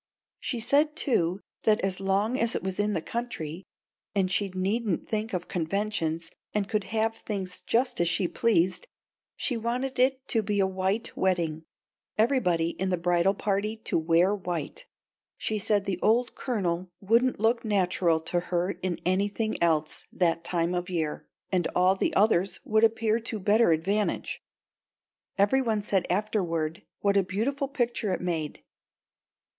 She said, too, that as long as it was in the country and she needn't think of the conventions and could have things just as she pleased, she wanted it to be a white wedding everybody in the bridal party to wear white. She said the old Colonel wouldn't look natural to her in anything else that time of year, and all the others would appear to better advantage. Every one said afterward what a beautiful picture it made.